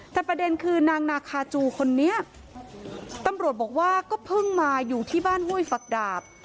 แต่ประเด็นคือนางนาคาจูคนนี้ตำรวจบอกว่าก็เพิ่งมาอยู่ที่บ้านห้วยฝักดาบ